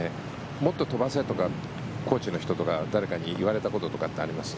もっと飛ばせとかコーチの人とか誰かに言われたこととかってあります？